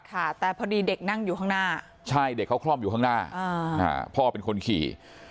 ค่ะแต่พอดีเด็กนั่งอยู่ข้างหน้าใช่เด็กเขาคล่อมอยู่ข้างหน้าพ่อเป็นคนขี่